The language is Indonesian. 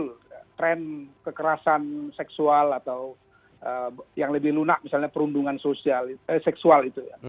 mungkin muncul tren kekerasan seksual atau yang lebih lunak misalnya perundungan seksual itu